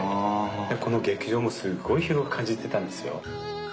この劇場もすっごい広く感じてたんですよ。